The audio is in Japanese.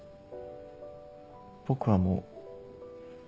僕はもう。